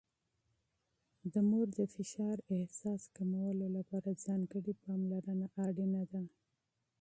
د مور د فشار احساس کمولو لپاره ځانګړې پاملرنه اړینه ده.